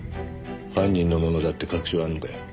犯人のものだって確証はあるのかよ？